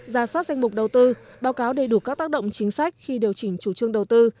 ra soát danh mục đầu tư báo cáo đầy đủ các tác động chính sách khi điều chỉnh chủ trương đầu tư